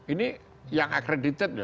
ini yang akredited